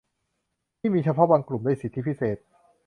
ที่มีเฉพาะบางกลุ่มได้สิทธิพิเศษ